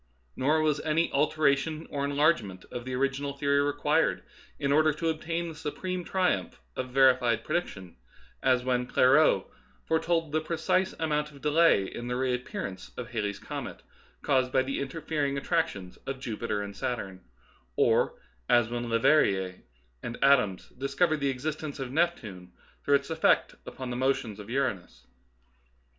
Nor was any alteration or enlargement of the original theory required in order to obtain the supreme triumph of verified prediction, as when Clairaut foretold the precise amount of delay in the reappearance of Halley's comet, caused by the interfering attrac tions of Jupiter and Saturn, or as when Leverrier and Adams discovered the existence of Neptune through its effects upon the motions of Uranus.